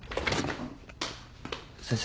先生